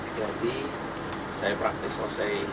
jadi saya praktis selesai